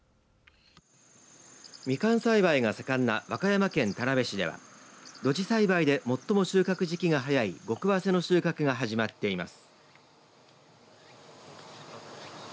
みかん栽培が盛んな和歌山県田辺市では露地栽培で最も収穫時期が早い極早生の収穫が始まっています。